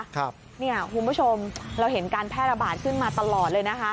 คุณผู้ชมเราเห็นการแพร่ระบาดขึ้นมาตลอดเลยนะคะ